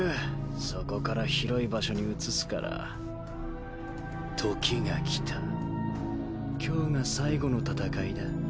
そこから広い場所に移すから時が来た今日が最後の戦いだ。